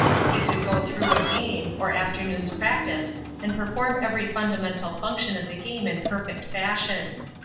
He could go through a game, or afternoon's practice and perform every fundamental function of the game in perfect fashion.